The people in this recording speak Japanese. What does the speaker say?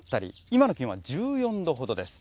今の気温は１４度ほどです。